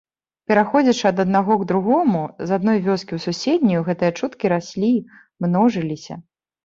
Пераходзячы ад аднаго к другому, з адной вёскі ў суседнюю, гэтыя чуткі раслі, множыліся.